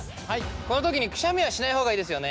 この時にくしゃみはしない方がいいですよね？